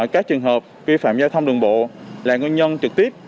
các trường hợp vi phạm giao thông đường bộ là nguyên nhân trực tiếp